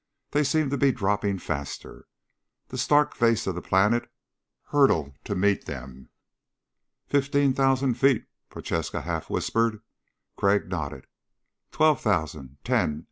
They seemed to be dropping faster. The stark face of the planet hurtled to meet them. "Fifteen thousand feet," Prochaska half whispered. Crag nodded. "Twelve thousand ... ten ...